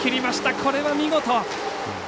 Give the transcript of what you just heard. これは見事！